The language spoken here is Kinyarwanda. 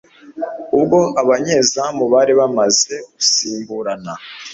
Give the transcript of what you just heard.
ubwo abanyezamu bari bamaze gusimburana